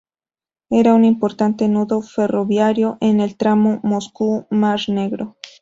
Era un importante nudo ferroviario en el tramo Moscú–Mar Negro.